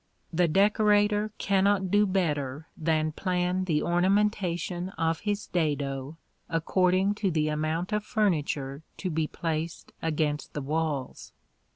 The decorator cannot do better than plan the ornamentation of his dado according to the amount of furniture to be placed against the walls.